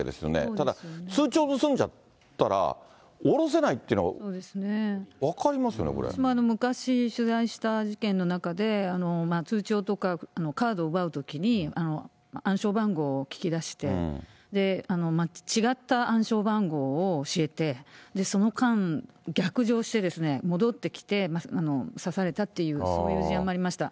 ただ、通帳盗んじゃったら、下ろせないっていうの、分かりますよね、こ私も昔、取材した事件の中で、通帳とかカードを奪うときに、暗証番号を聞き出して、違った暗証番号を教えて、その間、逆上して、戻ってきて、刺されたっていう、そういう事案もありました。